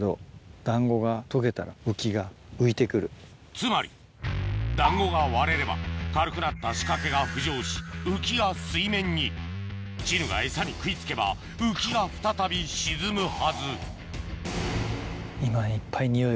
つまり団子が割れれば軽くなった仕掛けが浮上し浮きが水面にチヌがエサに食い付けば浮きが再び沈むはず